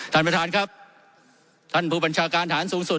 ท่านประธานครับท่านผู้บัญชาการฐานสูงสุด